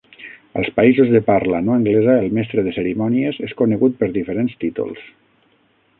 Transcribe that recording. Als països de parla no anglesa el mestre de cerimònies és conegut per diferents títols.